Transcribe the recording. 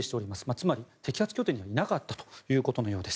つまり摘発拠点にはいなかったということのようです。